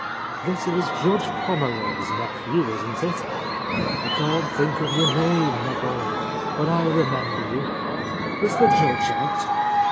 "This is Judge Pommeroy's nephew, isn't it? I can't think of your name, my boy, but I re member you. Is the Judge out?"